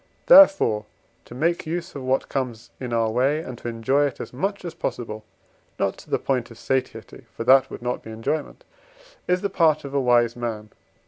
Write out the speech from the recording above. Therefore, to make use of what comes in our way, and to enjoy it as much as possible (not to the point of satiety, for that would not be enjoyment) is the part of a wise man.